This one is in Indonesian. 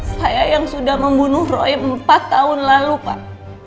saya yang sudah membunuh roy empat tahun lalu pak